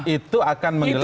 itu akan menggelar